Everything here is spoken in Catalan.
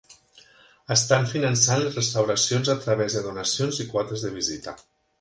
Estan finançant les restauracions a través de donacions i quotes de visita.